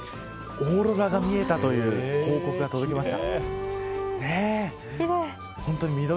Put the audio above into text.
オーロラが見えたという報告が届きました。